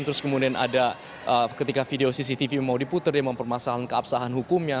terus kemudian ada ketika video cctv mau diputer dia mempermasalahkan keabsahan hukumnya